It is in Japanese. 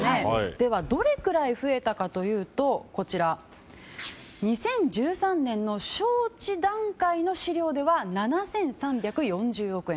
ではどれくらい増えたかというと２０１３年の招致段階の資料では７３４０億円。